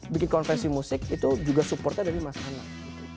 bikin konvensi musik itu juga supportnya dari mas anang